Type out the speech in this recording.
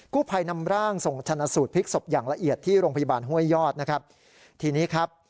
ผู้ภัยนำร่างส่งชนะสูตรพลิกศพอย่างละเอียดที่โรงพยาบาลห้วยยอดนะครับทีนี้ครับ